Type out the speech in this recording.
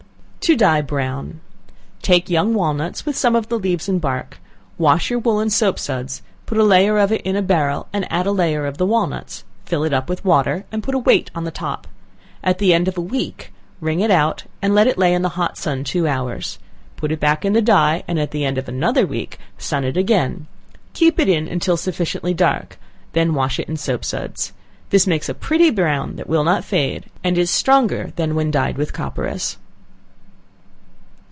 To Dye Brown. Take young walnuts, with some of the leaves and bark; wash your wool in soap suds; put a layer of it in a barrel, and a layer of the walnuts; fill it up with water, and put a weight on the top; at the end of a week wring it out, and let it lay in the hot sun two hours; put it back in the dye, and at the end of another week, sun it again; keep it in until sufficiently dark, when wash it in soap suds. This makes a pretty brown that will not fade, and is stronger than when dyed with copperas.